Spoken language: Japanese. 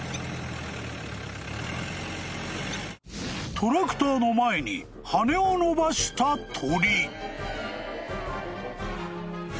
［トラクターの前に羽を伸ばした鳥］